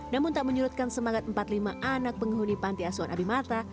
namun tak menyurutkan semangat empat puluh lima anak penghuni panti asuhan abimata